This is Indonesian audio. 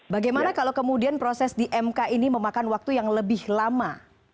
bagaimana kalau kemudian proses di mk ini memakan waktu yang lebih lama